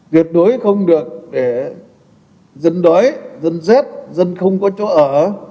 tuyệt đối không được để dân đói dân rét dân không có chỗ ở